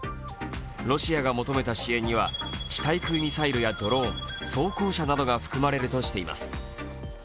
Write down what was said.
ロシアが求めた支援には地対空ミサイルやドローン装甲車などが含まれるとしています。